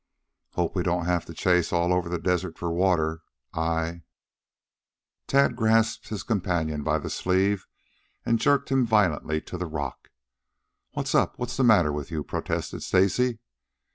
"Hope we don't have to chase all over the desert for water. I " Tad grasped his companion by the sleeve and jerked him violently to the rock. "What's up? What's the matter with you?" protested Stacy.